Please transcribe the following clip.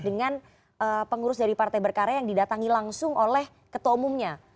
dengan pengurus dari partai berkarya yang didatangi langsung oleh ketua umumnya